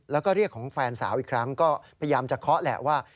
แล้วก็เรียกของแฟนสาวอีกครั้งก็พยายามจะเคาะแหละว่า